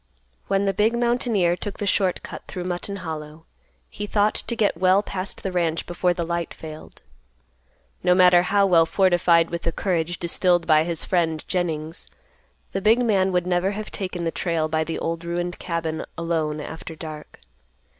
When the big mountaineer took the short cut through Mutton Hollow, he thought to get well past the ranch before the light failed. No matter how well fortified with the courage distilled by his friend, Jennings, the big man would never have taken the trail by the old ruined cabin alone after dark.